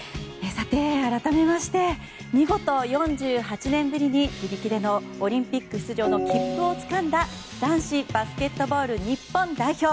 改めまして見事、４８年ぶりに自力でのオリンピック出場の切符をつかんだ男子バスケットボール日本代表。